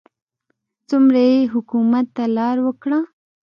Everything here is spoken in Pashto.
څومره یې حکومت ته لار وکړه.